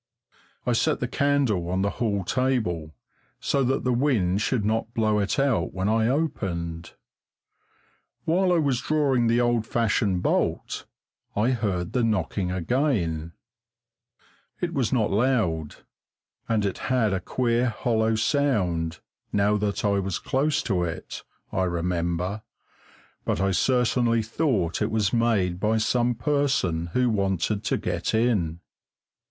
I set the candle on the hall table, so that the wind should not blow it out when I opened. While I was drawing the old fashioned bolt I heard the knocking again. It was not loud, and it had a queer, hollow sound, now that I was close to it, I remember, but I certainly thought it was made by some person who wanted to get in.